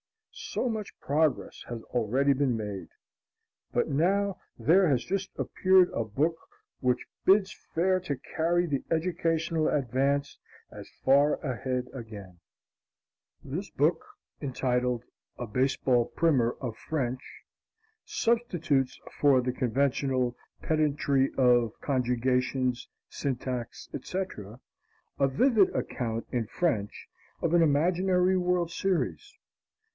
So much progress has already been made. But now there has just appeared a book which bids fair to carry the educational advance as far ahead again. This book, entitled "A Baseball Primer of French," substitutes for the conventional pedantry of conjugations, syntax, etc., a vivid account in French of an imaginary world's series.